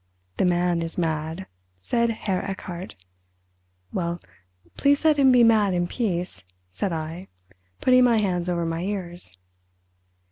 "The man is mad," said Herr Erchardt. "Well, please let him be mad in peace," said I, putting my hands over my ears.